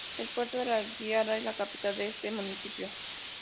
El puerto de La Guaira es la capital de este municipio.